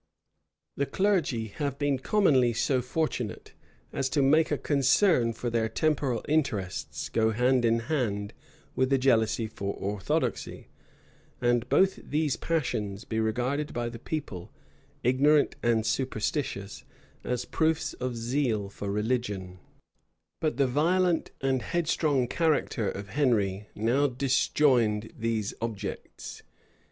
The clergy have been commonly so fortunate as to make a concern for their temporal interests go hand in hand with a jealousy for orthodoxy; and both these passions be regarded by the people, ignorant and superstitious, as proofs of zeal for religion: but the violent and headstrong character of Henry now disjoined these objects.